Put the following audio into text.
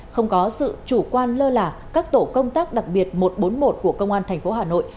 không có sự chủ quan lơ lả các tổ công tác đặc biệt một trăm bốn mươi một của công an thành phố hà nội